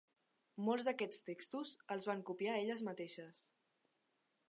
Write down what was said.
Molts d'aquests textos els van copiar elles mateixes.